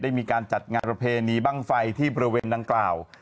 มีการจัดงานประเพณีบ้างไฟที่บริเวณดังกล่าว